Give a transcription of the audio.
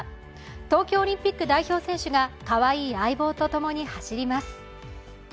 東京オリンピック代表選手がかわいい相棒と共に走ります。